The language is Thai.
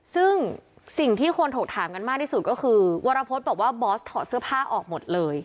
ซึ่งสิ่งที่คนถกถามกันมากที่สุดก็คือวรพฤษบอกว่าบอสถอดเสื้อผ้าออกหมดเลย